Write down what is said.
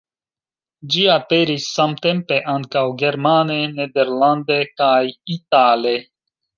Ĝi aperis samtempe ankaŭ germane, nederlande kaj itale.